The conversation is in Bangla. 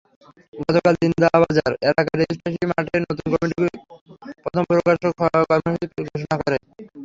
গতকাল জিন্দাবাজার এলাকার রেজিস্টারি মাঠে নতুন কমিটি প্রথম প্রকাশ্য কর্মসূচি ঘোষণা করে।